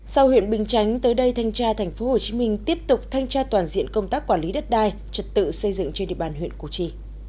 sau huyện bình chánh tới đây thanh tra thành phố hồ chí minh tiếp tục thanh tra toàn diện công tác quản lý đất đai trật tự xây dựng trên địa bàn huyện củ chi